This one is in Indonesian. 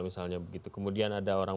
misalnya begitu kemudian ada orang